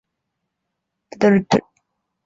郑橞祖籍清华处永福县槊山社忭上乡。